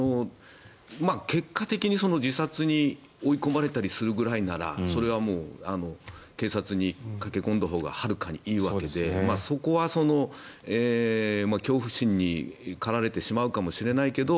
結果的に自殺に追い込まれたりするぐらいならそれはもう警察に駆け込んだほうがはるかにいいわけでそこは恐怖心に駆られてしまうかもしれないけど